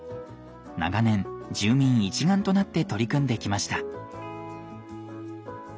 長年住民一丸となって取り組んできました。